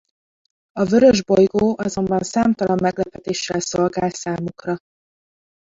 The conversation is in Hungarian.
A vörös bolygó azonban számtalan meglepetéssel szolgál számukra.